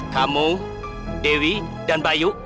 kamu dewi dan bayu